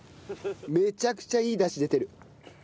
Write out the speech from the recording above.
めちゃくちゃいいダシ出てる。